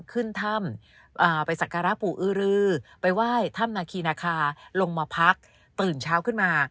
ขึ้นถ้ำไปสักการะปู่อื้อรือไปไหว้ถ้ำนาคีนาคาลงมาพักตื่นเช้าขึ้นมา